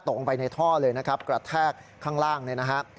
ตกลงไปในท่อเลยนะครับกระแทกข้างล่างเนี่ยนะฮะ